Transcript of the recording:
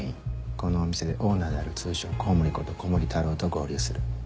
このお店でオーナーである通称「コウモリ」こと古森太郎と合流する。